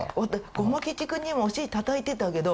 ごま吉くんにもお尻たたいてたけど。